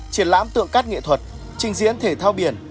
triển lãm tượng cắt nghệ thuật trình diễn thể thao biển